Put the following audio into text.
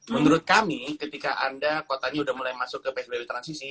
menurut kami ketika anda kotanya sudah mulai masuk ke psbb transisi